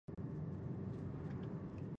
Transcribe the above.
زموږ د کټواز ټوټ پاینده خېل مې ښه په یاد دی.